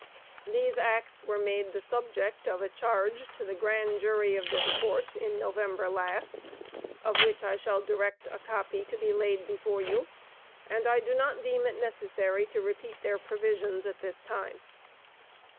These Acts were made the subject of a charge to the Grand Jury of this Court in November last, of which I shall direct a copy to be laid before you; and I do not deem it necessary to repeat their provisions at this time.